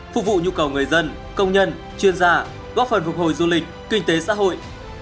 phục vụ nhu cầu người dân công nhân chuyên gia góp phần phục hồi du lịch kinh tế xã hội